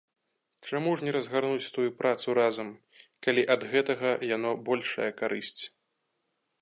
Чаму ж не разгарнуць тую працу разам, калі ад гэтага яно большая карысць?